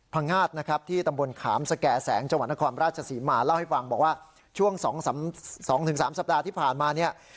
พังงาดนะครับที่ตำบลขามสแก่แสงจังหวันความราชสีมาเล่าให้ฟังบอกว่าช่วงสองสำสองถึงสามสัปดาห์ที่ผ่านมาเนี้ย